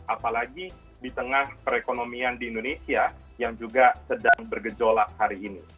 apalagi di tengah perekonomian di indonesia yang juga sedang bergejolak hari ini